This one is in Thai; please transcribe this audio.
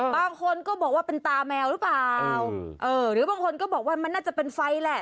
บางคนก็บอกว่าเป็นตาแมวหรือเปล่าเออหรือบางคนก็บอกว่ามันน่าจะเป็นไฟแหละ